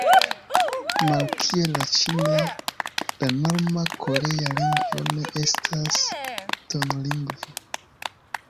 Malkiel la ĉina, la norma korea lingvo ne estas tonlingvo.